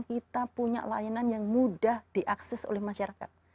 kita punya layanan yang mudah diakses oleh masyarakat